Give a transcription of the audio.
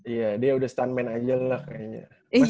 iya dia udah stuntman aja lah kayaknya masih kan ya